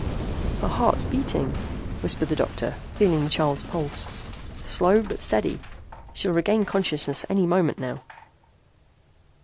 "Her heart's beating," whispered the doctor, feeling the child's pulse. "Slow but steady. She'll regain consciousness any moment now."